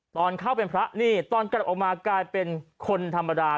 ตอนเข้าเป็นพระนี่ตอนกลับออกมากลายเป็นคนธรรมดา